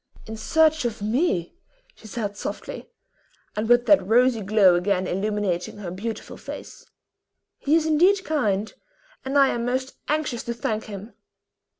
"In search of me!" she said softly, and with that rosy glow again illumining her beautiful face; "he is indeed kind, and I am most anxious to thank him."